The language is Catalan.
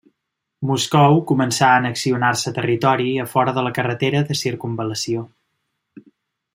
Moscou començà a annexionar-se territori a fora de la carretera de circumval·lació.